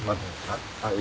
はい。